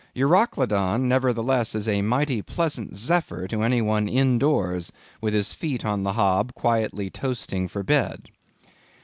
Euroclydon, nevertheless, is a mighty pleasant zephyr to any one in doors, with his feet on the hob quietly toasting for bed.